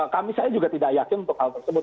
kami saya juga tidak yakin untuk hal tersebut